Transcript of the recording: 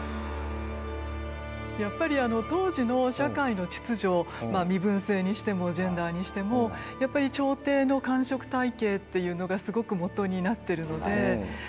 やっぱり当時の社会の秩序身分制にしてもジェンダーにしてもやっぱり朝廷の官職体系っていうのがすごくもとになってるので。